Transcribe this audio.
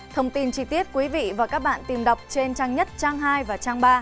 thông tin chi tiết quý vị và các bạn tìm đọc trên trang nhất trang hai và trang ba